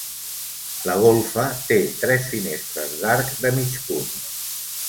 La golfa té tres finestres d'arc de mig punt.